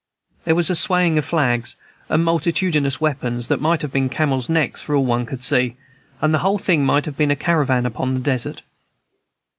There was a swaying of flags and multitudinous weapons that might have been camels' necks for all one could see, and the whole thing might have been a caravan upon the desert.